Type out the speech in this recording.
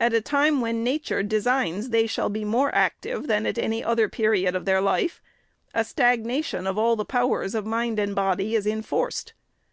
At a time when nature designs they shall be more active than at any other period of life, a stagna tion of all the powers of mind and body is enforced.